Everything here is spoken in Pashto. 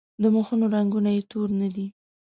د مخونو رنګونه یې تور نه دي.